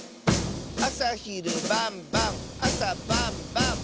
「あさひるばんばんあさばんばん！」